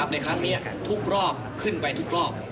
ในครั้งนี้ทุกรอบขึ้นไปทุกรอบ